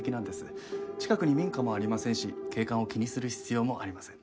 近くに民家もありませんし景観を気にする必要もありません。